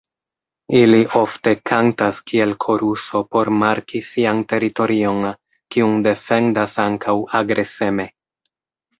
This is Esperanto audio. Ili ofte kantas kiel koruso por marki sian teritorion, kiun defendas ankaŭ agreseme.